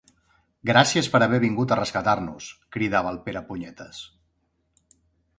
Gràcies per haver vingut a rescatar-nos! —cridava el Perepunyetes.